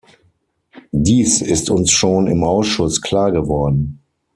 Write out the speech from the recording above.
Dies ist uns schon im Ausschuss klargeworden.